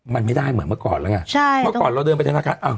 มันไม่ได้เหมือนเมื่อเมื่อก่อนแล้วไงเมื่อเมื่อก่อนเราเดินไปทางธนาคาร